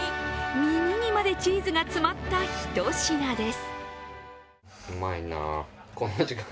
耳にまでチーズが詰まったひと品です。